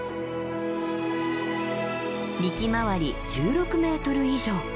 幹回り１６ｍ以上。